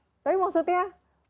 begitu tapi maksudnya